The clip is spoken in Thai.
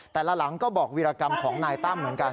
หลังก็บอกวิรากรรมของนายตั้มเหมือนกัน